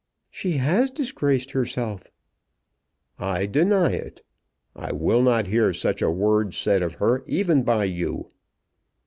"She has disgraced herself." "I deny it. I will not hear such a word said of her even by you."